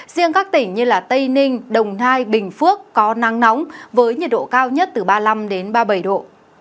riêng các tỉnh như tây ninh đồng nai bình phước có nắng nóng với nhiệt độ cao nhất từ ba mươi năm đến ba mươi bảy độ